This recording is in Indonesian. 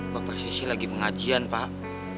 bapak saya sih lagi pengajian pak